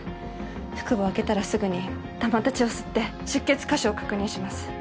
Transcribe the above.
腹部を開けたらすぐに溜まった血を吸って出血箇所を確認します